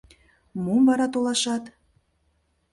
Мом вара толашат?